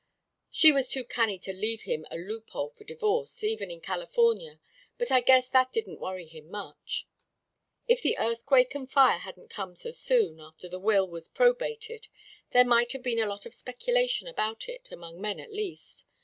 "She was too canny to leave him a loophole for divorce, even in California; but I guess that didn't worry him much. "If the earthquake and fire hadn't come so soon after the will was probated there might have been a lot of speculation about it, among men, at least.